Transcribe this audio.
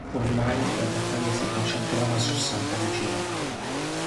Ormai la battaglia si concentrava su Santa Lucia.